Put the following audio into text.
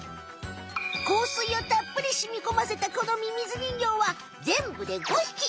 香水をたっぷりしみこませたこのミミズ人形は全部で５匹。